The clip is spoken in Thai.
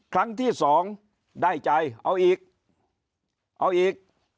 ครั้งที่๒ได้จ่ายเอาอีกเอาอีก